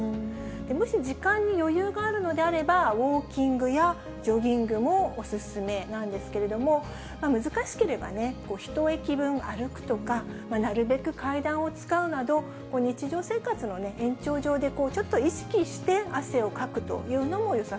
もし時間に余裕があるのであれば、ウォーキングやジョギングもお勧めなんですけれども、難しければ、ひと駅分歩くとか、なるべく階段を使うなど、日常生活の延長上でちょっと意識して汗をかくというのもよさ